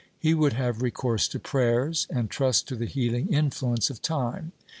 He would have recourse to prayers, and trust to the healing influence of time.